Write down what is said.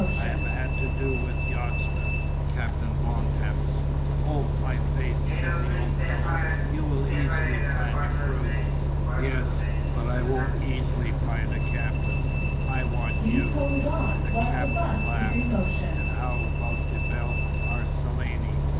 I have had to do with yachtsmen, Captain Bontemps." "Oh, my faith," said the old fellow, "you will easily find a crew." "Yes, but I won't easily find a captain. I want you." The Captain laughed. "And how about La Belle Arlesienne?"